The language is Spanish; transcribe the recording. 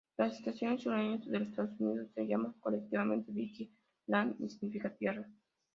Los estados sureños de los Estados Unidos se llaman colectivamente Dixie "Land" significa "tierra".